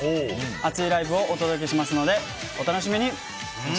熱いライブをお届けしますのでお楽しみに！